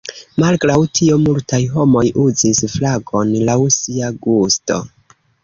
Malgraŭ tio multaj homoj uzis flagon laŭ sia gusto.